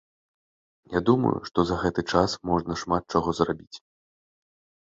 Я думаю, што за гэты час можна шмат чаго зрабіць.